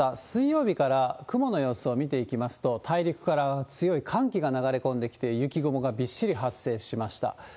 水曜日から雲の様子を見ていきますと、大陸から強い寒気が流れ込んできて、雪雲がびっしり発生しました。